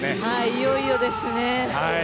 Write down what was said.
いよいよですね。